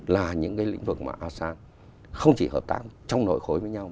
là những cái lĩnh vực mà asean không chỉ hợp tác trong nội khối với nhau